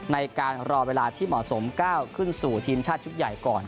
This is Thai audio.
ในการรอเวลาที่เหมาะสมก้าวขึ้นสู่ทีมชาติชุดใหญ่ก่อน